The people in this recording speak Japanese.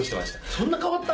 そんな変わった？